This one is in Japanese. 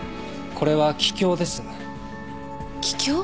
これは気胸です。